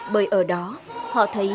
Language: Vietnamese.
bởi ở đó họ thấy